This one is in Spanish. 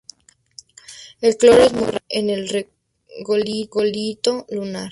El cloro es muy raro en el regolito lunar.